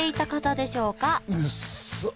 うっそ！